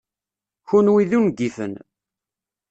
Kenwi d ungifen!